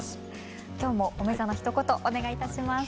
今日もおめざのひと言お願いいたします。